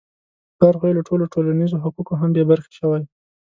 پلار خو يې له ټولو ټولنیزو حقوقو هم بې برخې شوی.